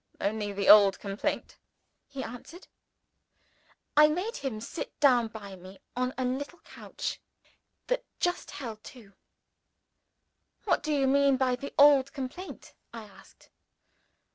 "Only the old complaint," he answered. I made him sit down by me on a little couch that just held two. "What do you mean by the old complaint?" I asked.